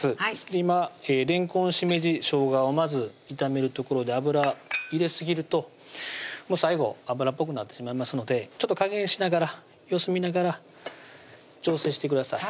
今れんこん・しめじ・しょうがをまず炒めるところで油入れすぎると最後油っぽくなってしまいますのでちょっと加減しながら様子見ながら調整してください